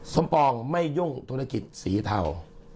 ปองไม่ยุ่งธุรกิจสีเทา